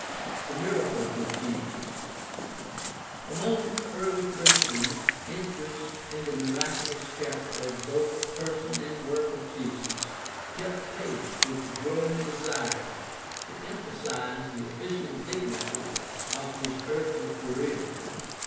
The miracles of Jesus — Among early Christians interest in the miraculous character of both the person and work of Jesus kept pace with the growing desire to emphasize the official dignity of his earthly career.